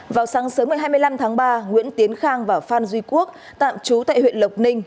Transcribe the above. vào sáng sớm ngày hai mươi năm tháng ba nguyễn tiến khang và phan duy quốc tạm trú tại huyện lộc ninh